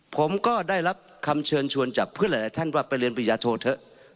ผมก็ได้รับคำเชิญชวนจากเพื่อนหลายท่านว่าไปเรียนปริญญาโทเถอะ